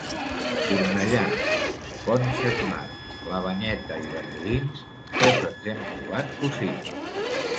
Cornellà, Pont-xetmar, la Banyeta i banyolins, tots ens hem trobat cosins.